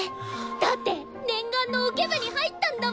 だって念願のオケ部に入ったんだもん。